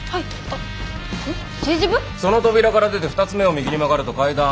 その扉から出て２つ目を右に曲がると階段。